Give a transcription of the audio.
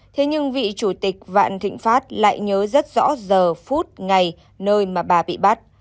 thế nhưng vị chủ tịch vạn thịnh pháp lại nhớ rất rõ giờ phút ngày nơi mà bà bị bắt